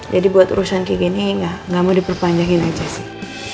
jadi buat urusan kayak gini gak mau diperpanjangin aja sih